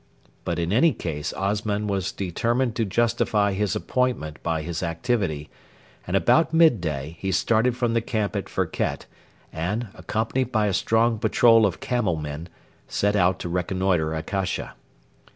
But in any case Osman was determined to justify his appointment by his activity, and about midday he started from the camp at Firket, and, accompanied by a strong patrol of camel men, set out to reconnoitre Akasha.